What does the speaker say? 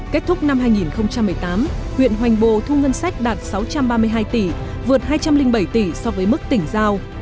kết thúc năm hai nghìn một mươi tám huyện hoành bồ thu ngân sách đạt sáu trăm ba mươi hai tỷ vượt hai trăm linh bảy tỷ so với mức tỉnh giao